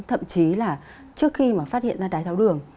thậm chí là trước khi mà phát hiện ra đái tháo đường